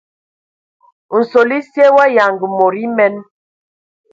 Nsol esye wa yanga mod emen.